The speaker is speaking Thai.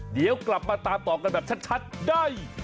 เดี๋ยวกลับมาตามต่อกันแบบชัดได้